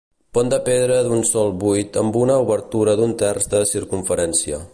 Pont de pedra d'un sol buit amb una obertura d'un terç de circumferència.